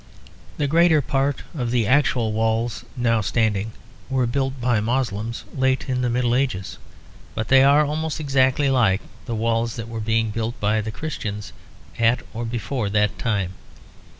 The greater part of the actual walls now standing were built by Moslems late in the Middle Ages; but they are almost exactly like the walls that were being built by the Christians at or before that time.